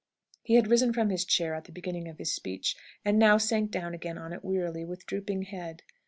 He had risen from his chair at the beginning of his speech, and now sank down again on it wearily, with drooping head.